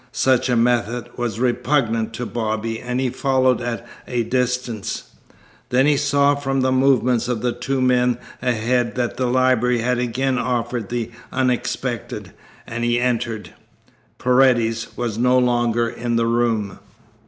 Such a method was repugnant to Bobby, and he followed at a distance. Then he saw from the movements of the two men ahead that the library had again offered the unexpected, and he entered. Paredes was no longer in the room.